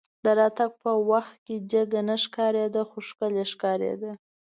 د راتګ په وخت کې جګه نه ښکارېده خو ښکلې ښکارېده.